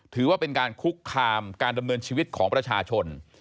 ถือว่าเป็นการคุกคามการดำเนินชีวิตของประชาชน